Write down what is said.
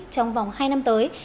trong vòng hai năm tới